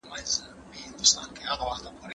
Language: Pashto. ایا دا هلک رښتیا هم له انا څخه نه ډارېږي؟